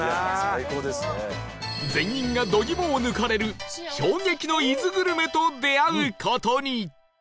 全員が度肝を抜かれる衝撃の伊豆グルメと出会う事に